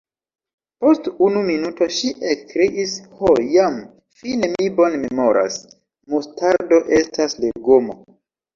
Post unu minuto ŝi ekkriis: "Ho jam fine mi bone memoras: Mustardo estas legomo. »